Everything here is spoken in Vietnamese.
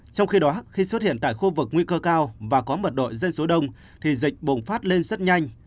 trong khi đó khi xuất hiện tại khu vực nguy cơ cao và có mật độ dân số đông thì dịch bùng phát lên rất nhanh